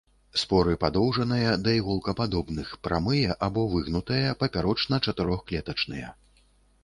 Споры падоўжаныя, да іголкападобных, прамыя або выгнутыя, папярочна-чатырохклетачныя.